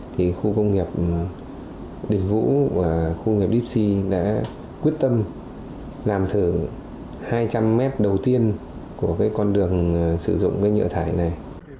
thì khu công nghiệp đình vũ và khu công nghiệp dipsy đã quyết tâm làm thử hai trăm linh mét đầu tiên của con đường sử dụng nhựa thải này